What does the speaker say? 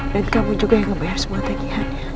dan kamu juga yang ngebayar semua tegihannya